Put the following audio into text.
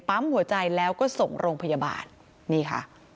ปั๊มหัวใจแล้วก็ส่งโรงพยาบาลนี่ค่ะ